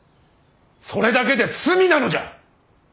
それだけで罪なのじゃ！